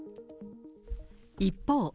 一方。